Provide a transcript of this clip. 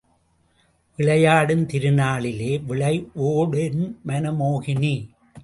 விளையாடும் திரு நாளிலே விழைவோ டென் மனமோகினி.